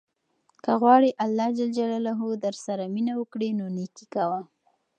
که غواړې اللهﷻ درسره مینه وکړي نو نېکي کوه.